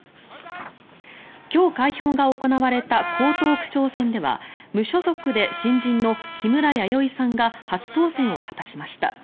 今日、開票が行われた江東区長選では無所属で新人の木村弥生さんが初当選を果たしました。